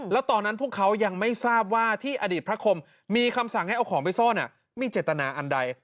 แล้วตอนนั้นพวกเขายังไม่ทราบว่าที่อดีตพระคมมีคำสั่งให้เอาของไปซ่อนมีเจตนาอันใด